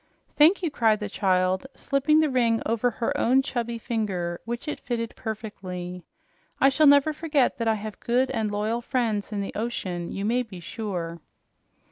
"Thank you!" cried the child, slipping the ring over her own chubby finger, which it fitted perfectly. "I shall never forget that I have good and loyal friends in the ocean, you may be sure."